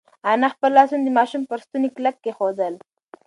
انا خپل لاسونه د ماشوم پر ستوني کلک کېښودل.